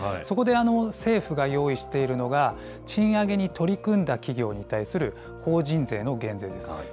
そこで、政府が用意しているのが、賃上げに取り組んだ企業に対する法人税の減税です。